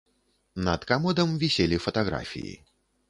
Над камодам віселі фатаграфіі.